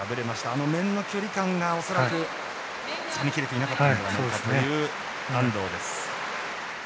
あの面の距離感が恐らくつかみきれていなかった安藤です。